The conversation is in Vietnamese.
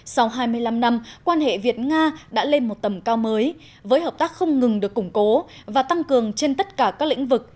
sau hai mươi năm năm quan hệ việt nga đã lên một tầm cao mới với hợp tác không ngừng được củng cố và tăng cường trên tất cả các lĩnh vực